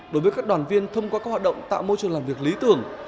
đối với các đoàn viên thông qua các hoạt động tạo môi trường làm việc lý tưởng